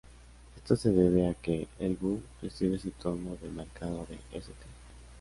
Esto se debe a que Elwood recibe su tono de marcado de St.